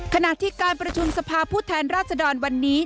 ขณะที่การประชุมสภาพผู้แทนราชดรวันนี้